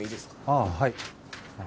ああはい。